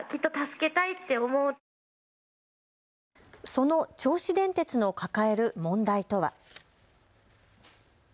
その銚子電鉄の抱える問題とは。